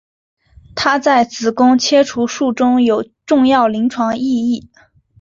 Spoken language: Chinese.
它在子宫切除术中有重要临床意义。